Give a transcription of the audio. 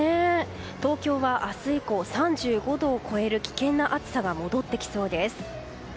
東京は明日以降３５度を超える危険な暑さが戻ってきそうです。